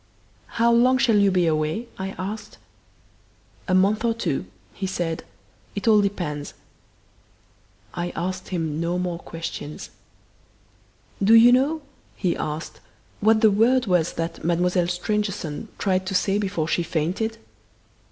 "How long shall you be away?" I asked. "A month or two," he said. "It all depends." I asked him no more questions. "Do you know," he asked, "what the word was that Mademoiselle Stangerson tried to say before she fainted?"